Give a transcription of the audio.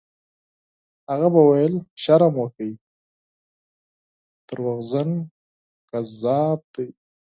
هغه به ویل: «شرم وکړئ! دروغجن، کذاب دی».